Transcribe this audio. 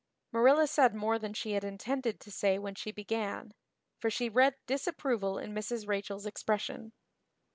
Marilla said more than she had intended to say when she began, for she read disapproval in Mrs. Rachel's expression.